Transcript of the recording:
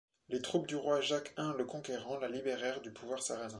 Les troupes du roi Jacques I le Conquérant la libérèrent du pouvoir sarrasin.